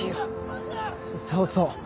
そうそう。